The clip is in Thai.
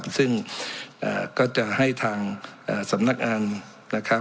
ซึ่งก็จะให้ทางสำนักอัง